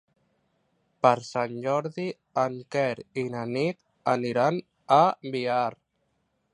Per Sant Jordi en Quer i na Nit aniran a Biar.